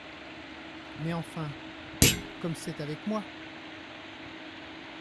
Mais enfin, comme c’est avec moi !…